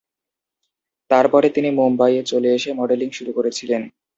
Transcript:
তারপরে তিনি মুম্বইয়ে চলে এসে মডেলিং শুরু করেছিলেন।